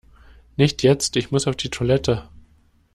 Nicht jetzt, ich muss auf die Toilette!